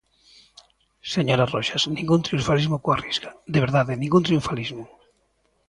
Señora Roxas, ningún triunfalismo coa Risga, de verdade, ningún triunfalismo.